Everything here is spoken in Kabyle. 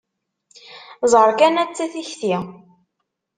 Ẓer kan atta tikti!